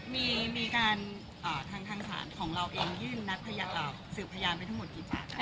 มีมีการอ่าทางทางสารของเราเองยื่นนัดพยายามสืบพยายามไปทั้งหมดกี่ป่าว